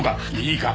いいか！